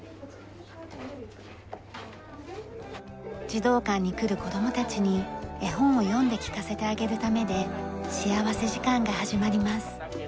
児童館に来る子どもたちに絵本を読んで聞かせてあげるためで幸福時間が始まります。